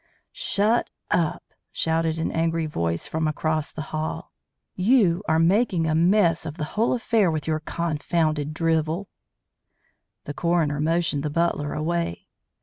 "Shut up!" shouted an angry voice from across the hall. "You are making a mess of the whole affair with your confounded drivel." The coroner motioned the butler away.